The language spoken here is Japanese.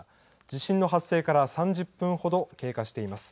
地震の発生から３０分ほど経過しています。